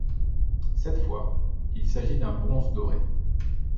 Cette fois, il s'agit d'un bronze doré.